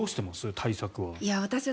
対策は。